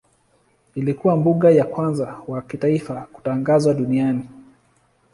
Ilikuwa mbuga ya kwanza wa kitaifa kutangazwa duniani.